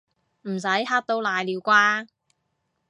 唔使嚇到瀨尿啩